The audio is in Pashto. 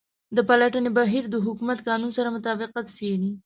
د پلټنې بهیر د حکومت قانون سره مطابقت څیړي.